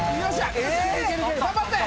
頑張って。